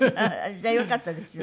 じゃあよかったですよね。